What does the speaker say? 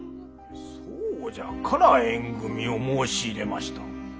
そうじゃから縁組みを申し入れました。